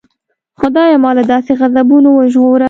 خدایه ما له داسې غضبونو وژغوره.